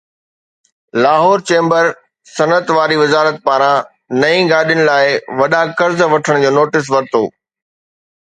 Lahore chamber صنعت واري وزارت پاران نئين گاڏين لاءِ وڏا قرض وٺڻ جو نوٽيس ورتو